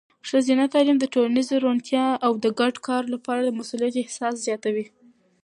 ښځینه تعلیم د ټولنیزې روڼتیا او د ګډ کار لپاره د مسؤلیت احساس زیاتوي.